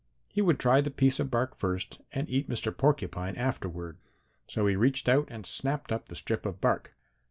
He would try the piece of bark first and eat Mr. Porcupine afterward. So he reached out and snapped up the strip of bark.